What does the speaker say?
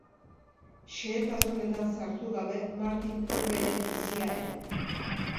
Xehetasunetan sartu gabe Martin Orberen bizia ere.